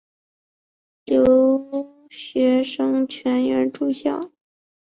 留学生全员住校。